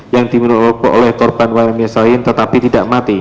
yang diminum oleh korban waria misalien tetapi tidak mati